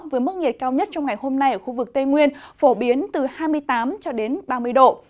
với mức nhiệt cao nhất trong ngày hôm nay ở khu vực tây nguyên phổ biến từ hai mươi tám cho đến ba mươi độ